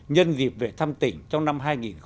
nhân dịp về thăm tỉnh trong năm hai nghìn một mươi sáu